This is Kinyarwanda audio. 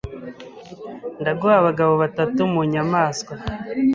ndaguha abagabo batatu, mu nyamaswa